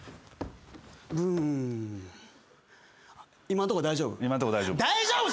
今んとこ大丈夫。